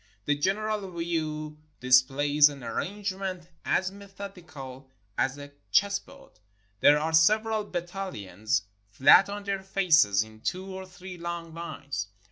The general view displays an arrangement as methodi cal as a chessboard. There are several battalions flat on their faces in two or three long lines.